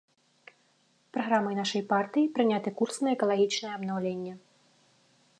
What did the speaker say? Праграмай нашай партыі прыняты курс на экалагічнае абнаўленне.